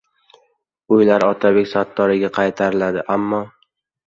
Uylari Otabek Sattoriyga qaytarildi, ammo...